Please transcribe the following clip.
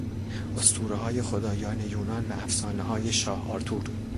اسطورههای خدایان یونان و افسانههای شاه آرتور